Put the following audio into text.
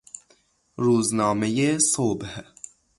روزنامهی صبح